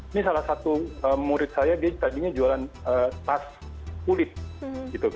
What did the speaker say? ini salah satu murid saya dia tadinya jualan tas kulit